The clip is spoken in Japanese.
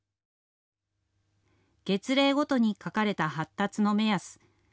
月齢ごとに書かれた発達の目安。